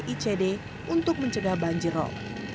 icd untuk mencegah banjir rob